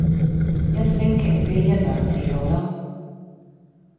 一星期飛一兩次到啦